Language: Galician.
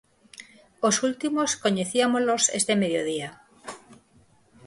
Os últimos coñeciámolos este mediodía.